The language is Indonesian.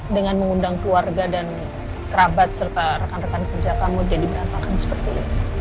dengan mengundang keluarga dan kerabat serta rekan rekan kerja kamu jadi berantakan seperti ini